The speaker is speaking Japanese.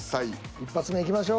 一発目いきましょう。